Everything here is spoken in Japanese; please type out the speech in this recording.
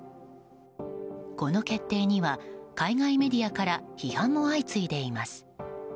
この決定には海外メディアから批判も相次いでいます。